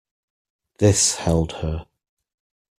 This held her.